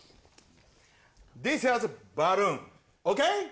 ディスイズバルーンＯＫ？